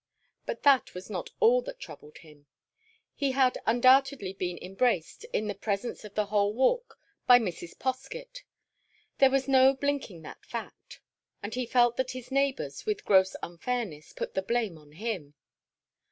But that was not all that troubled him. He had undoubtedly been embraced, in the presence of the whole Walk, by Mrs. Poskett. There was no blinking that fact; and he felt that his neighbours, with gross unfairness, put the blame on him.